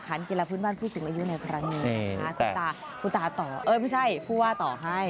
คุณตาต่อเอ้ยไม่ใช่ผู้ว่าต่อให้